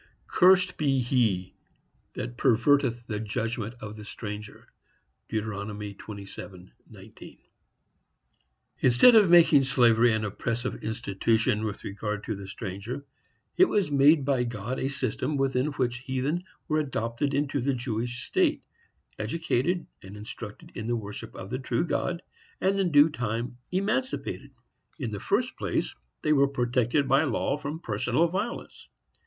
Cursed be he that perverteth the judgment of the stranger.—Deut. 27:19. Instead of making slavery an oppressive institution with regard to the stranger, it was made by God a system within which heathen were adopted into the Jewish state, educated and instructed in the worship of the true God, and in due time emancipated. In the first place, they were protected by law from personal violence.